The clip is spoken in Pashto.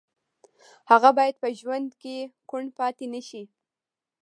هغه باید په ژوند کې کوڼ پاتې نه شي